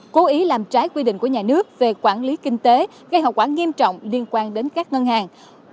cố ý làm trái quy định của nhà nước về quản lý kinh tế gây hậu quả nghiêm trọng liên quan đến các ngân hàng